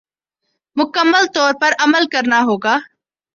مکمل طور پر عمل کرنا ہوگا